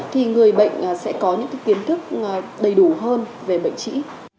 thì người bệnh sẽ có những kiến thức đầy đủ hơn về bệnh trĩ